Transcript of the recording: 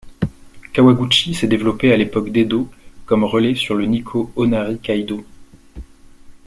Kawaguchi s'est développée à l'époque d'Edo comme relais sur le Nikkō Onari Kaidō.